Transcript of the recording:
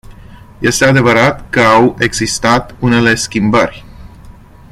Este adevărat că au existat unele schimbări.